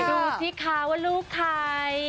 ดูสิคะว่าลูกใคร